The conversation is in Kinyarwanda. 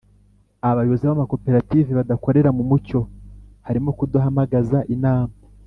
Abayobozi b amakoperative badakorera mu mucyo harimo kudahamagaza inama